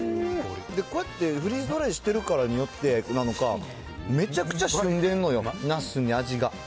で、こうやってフリーズドライしてるからによってなのか、めちゃくちゃしゅんでんのよ、ナスに味が。